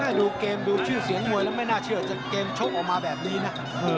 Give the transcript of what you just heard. ดูเกมดูชื่อเสียงมวยแล้วไม่น่าเชื่อจะเกมชกออกมาแบบนี้นะ